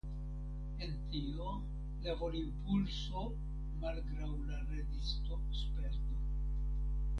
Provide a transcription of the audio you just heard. En tio la volimpulso malgraŭ la rezistosperto.